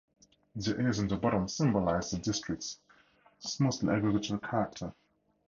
The ears in the bottom symbolise the district's mostly agricultural character.